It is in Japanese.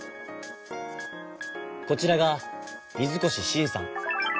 こちらが水越伸さん。